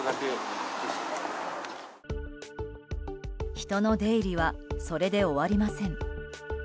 人の出入りはそれで終わりません。